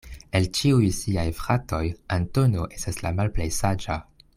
El ĉiuj siaj fratoj Antono estas la malplej saĝa.